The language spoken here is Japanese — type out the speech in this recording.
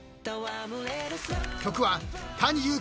［曲は］